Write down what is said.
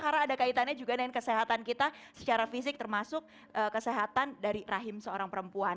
karena ada kaitannya juga dengan kesehatan kita secara fisik termasuk kesehatan dari rahim seorang perempuan